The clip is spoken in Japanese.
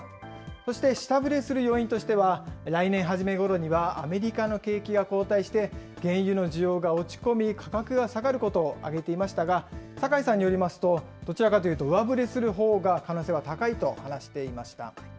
そして下振れする要因としては、来年はじめごろにはアメリカの景気が後退して、原油の需要が落ち込み、価格が下がることを挙げていましたが、酒井さんによりますと、どちらかというと上振れするほうが可能性は高いと話していました。